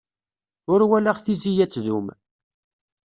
Ur walaɣ tizi ad tdum.